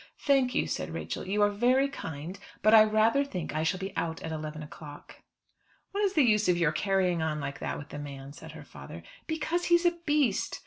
"Thank you," said Rachel, "you are very kind, but I rather think I shall be out at eleven o'clock." "What is the use of your carrying on like that with the man?" said her father. "Because he's a beast."